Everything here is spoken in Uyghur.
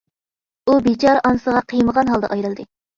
ئۇ بىچارە ئانىسىغا قىيمىغان ھالدا ئايرىلدى.